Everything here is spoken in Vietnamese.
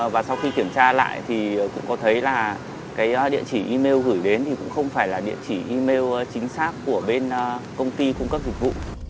và sau khi kiểm tra lại thì cũng có thấy là cái địa chỉ email gửi đến thì cũng không phải là địa chỉ email chính xác của doanh nghiệp